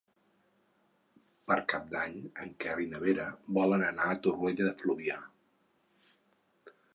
Per Cap d'Any en Quer i na Vera volen anar a Torroella de Fluvià.